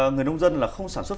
người nông dân là không sản xuất